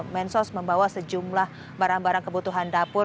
mensos membawa sejumlah barang barang kebutuhan dapur